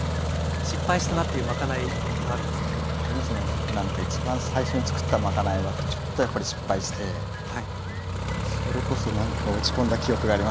僕なんか一番最初につくったまかないはちょっとやっぱり失敗してそれこそ落ち込んだ記憶がありますね。